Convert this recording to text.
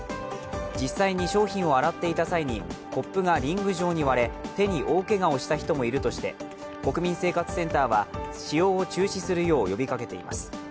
実際に商品を洗っていた際にコップがリング状に割れ、手に大けがをした人もいるとして国民生活センターは使用を中止するよう呼びかけています。